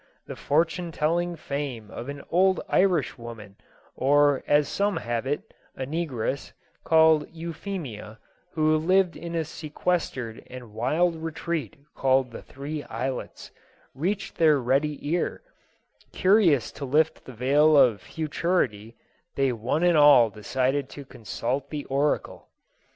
The fortune telling fame of an old Irish woman, or as some have it, a ne gress, called Euphemia, who lived in a sequestered and wild retreat named the " Three Islets," reached their ready ear; curious to lift the veil of futurity, they one and all decided to consult the oracle.